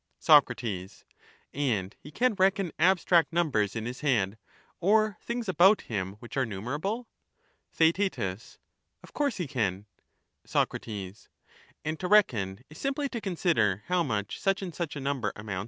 Soc, And he can reckon abstract numbers in his head, or things about him which are numerable ? Theaet Of course he can. Soc, And to reckon is simply to consider how much such and such a number amounts to